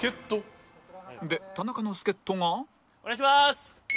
で田中の助っ人がお願いしまーす！